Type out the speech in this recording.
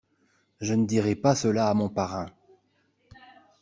Je ne dirai pas cela à mon parrain.